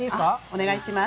お願いします。